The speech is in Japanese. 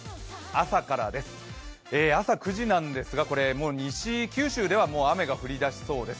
朝からです、朝９時なんですが西九州では、もう雨が降りだしそうです。